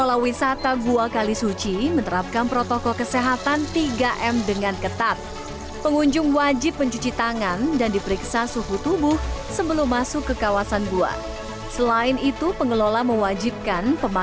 yuk ikuti perjalanan saya ya